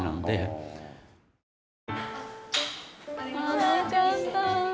泣いちゃった。